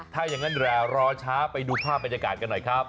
ถ้าอย่างนั้นแหละรอช้าไปดูภาพบรรยากาศกันหน่อยครับ